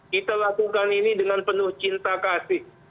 kita lakukan ini dengan penuh cinta kasih